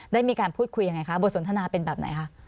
ได้มีการพูดคุยยังไงคะบทสนทนาเป็นแบบไหนคะ